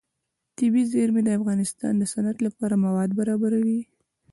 طبیعي زیرمې د افغانستان د صنعت لپاره مواد برابروي.